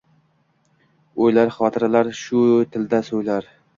O’ylar, xotirotlar shu tilda so’ylar